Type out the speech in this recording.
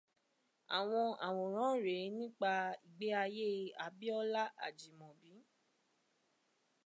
Àwọn àwòrán rèé nípa ìgbé ayé Abíọ́lá Àjìmọ̀bí.